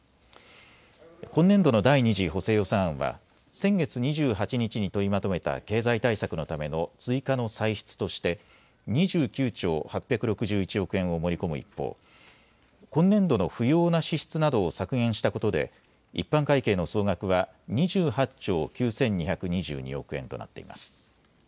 今年度の第２次補正予算案は先月２８日に取りまとめた経済対策のための追加の歳出として２９兆８６１億円を盛り込む一方、今年度の不用な支出などを削減したことで一般会計の総額は２８兆９２２２億円となっています。